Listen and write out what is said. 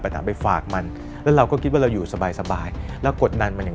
ถามไปฝากมันแล้วเราก็คิดว่าเราอยู่สบายสบายแล้วกดดันมันอย่าง